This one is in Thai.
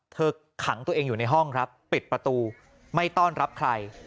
ขังตัวเองอยู่ในห้องครับปิดประตูไม่ต้อนรับใคร